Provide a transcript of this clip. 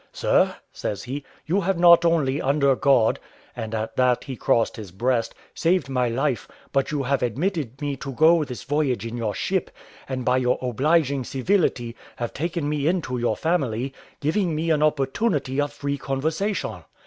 "Sir," says he, "you have not only under God" (and at that he crossed his breast) "saved my life, but you have admitted me to go this voyage in your ship, and by your obliging civility have taken me into your family, giving me an opportunity of free conversation.